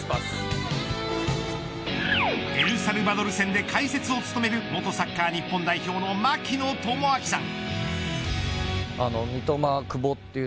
エルサルバドル戦で解説を務める元サッカー日本代表の槙野智章さん。